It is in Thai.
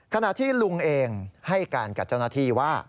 ขณะที่ลุงเองให้การกับเจ้าหน้าที่ว่า